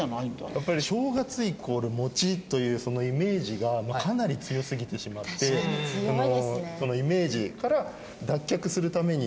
やっぱり正月イコールもちというそのイメージがかなり強すぎてしまってそのイメージから脱却するために。